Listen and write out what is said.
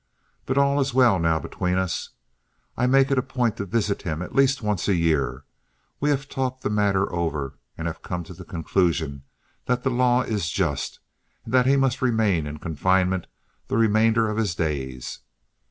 But all is well now between us. I make it a point to visit him at least once a year; we have talked the matter over and have come to the conclusion that the law is just and that he must remain in confinement the remainder of his days.